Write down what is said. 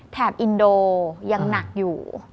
อินโดยังหนักอยู่